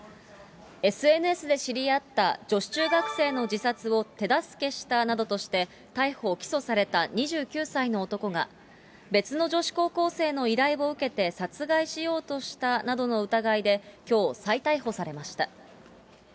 ＳＮＳで知り合った女子中学生の自殺を手助けしたなどとして、逮捕・起訴された２９歳の男が、別の女子高校生の依頼を受けて殺害しようとしたなどの疑いで、きょう、再逮捕されました。